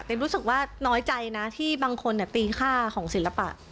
เป็นรู้สึกว่าน้อยใจนะที่บางคนตีค่าของศิลปะ